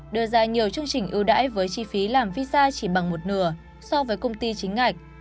đưa ra nhiều chương trình ưu đãi với chi phí làm visa chỉ bằng một nửa so với công ty chính ngạch